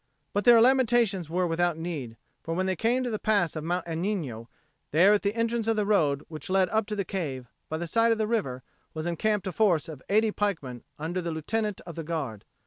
But their lamentations were without need; for when they came to the pass of Mount Agnino, there at the entrance of the road which led up to the cave, by the side of the river, was encamped a force of eighty pikemen under the Lieutenant of the Guard.